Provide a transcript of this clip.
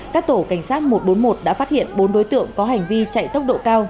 các tổ cảnh sát một trăm bốn mươi một đã phát hiện bốn đối tượng có hành vi chạy tốc độ cao